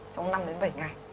trong năm đến bảy ngày